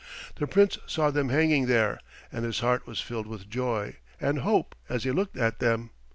The Prince saw them hanging there, and his heart was filled with joy and hope as he looked at them.